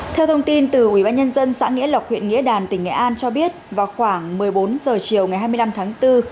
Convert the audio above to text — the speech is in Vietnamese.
theo thông tin từ ubnd xã nghĩa lộc huyện nghĩa đàn tỉnh nghệ an cho biết vào khoảng một mươi bốn h chiều ngày hai mươi năm tháng bốn